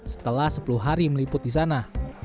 setelah sepuluh hari meliput di sana